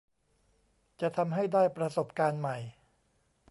จะทำให้ได้ประสบการณ์ใหม่